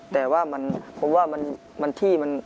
แต่ว่ามันที่มัน